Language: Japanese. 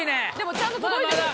ちゃんと届いてる。